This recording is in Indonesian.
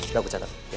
udah aku catat